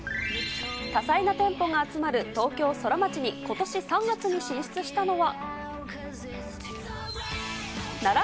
多彩な店舗が集まる東京ソラマチにことし３月に進出したのは。